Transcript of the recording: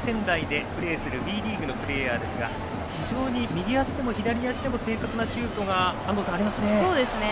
仙台でプレーするＷＥリーグのプレーヤーですが非常に右足でも左足でも正確なシュートがありますね。